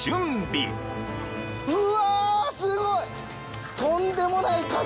うわすごい！